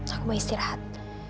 aku mau istirahat